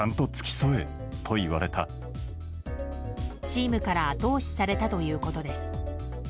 チームから後押しされたということです。